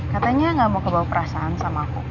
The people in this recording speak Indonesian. katanya gak mau kebawa perasaan sama aku